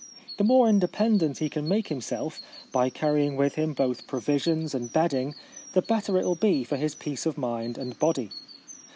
The more inde pendent he can make himself, by carrying with him both provisions and bedding, the better it will be for his peace of mind and body.